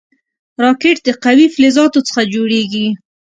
راکټ د قوي فلزاتو څخه جوړېږي